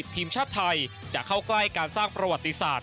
ทีมชาติไทยจะเข้าใกล้การสร้างประวัติศาสต